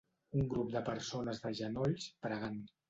Un grup de persones de genolls, pregant.